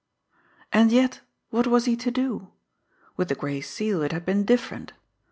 And yet what was he to do? With the Gray Seal it had been different.